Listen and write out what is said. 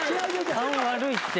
勘悪いって。